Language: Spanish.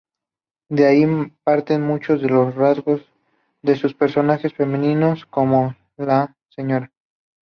De ahí parten muchos de los rasgos de sus personajes femeninos, como la Sra.